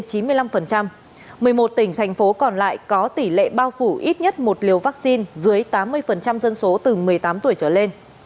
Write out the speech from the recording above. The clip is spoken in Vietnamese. một mươi một tỉnh thành phố còn lại có tỷ lệ bao phủ ít nhất một liều vaccine dưới tám mươi dân số từ một mươi tám tuổi trở lên